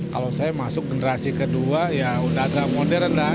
kalau saya masuk generasi kedua ya udah agak modern dah